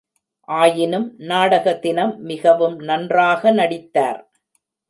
ஆயினும் நாடக தினம், மிகவும் நன்றாக நடித்தார்.